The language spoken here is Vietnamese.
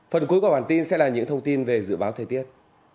phần cuối của bản tin sẽ là những thông tin về dự báo thời tiết